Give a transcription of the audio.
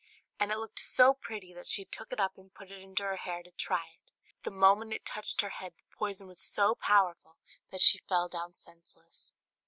And it looked so pretty that she took it up and put it into her hair to try it; but the moment it touched her head the poison was so powerful that she fell down senseless.